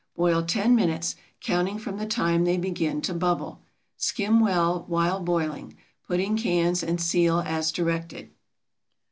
Boil ten minutes, counting from the time they begin to bubble. Skim well while boiling. Put in cans and seal as directed.